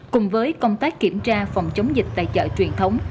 cùng với công tác kiểm tra phòng chống dịch tại chợ truyền thống